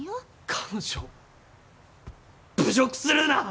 彼女を侮辱するな！